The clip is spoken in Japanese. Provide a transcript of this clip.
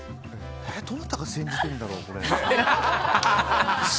どなたが煎じてるんだろう、これ。